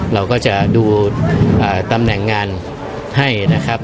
เราก็จะดูตำแหน่งงานให้นะครับ